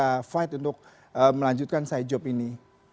bisa fight untuk melanjutkan side job ini